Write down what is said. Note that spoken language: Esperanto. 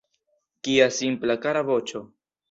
Kia simpla, kara voĉo!